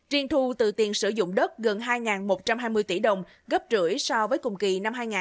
riêng thu từ tiền sử dụng đất gần hai một trăm hai mươi tỷ đồng gấp rưỡi so với cùng kỳ năm hai nghìn một mươi chín